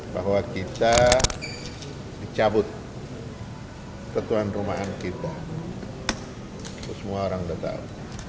bahwa kita dicabut ketuhan rumahan kita semua orang sudah tahu